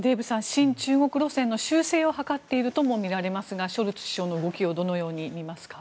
親中国路線の修正を図っているとも見れますがショルツ首相の動きをどのように見ますか？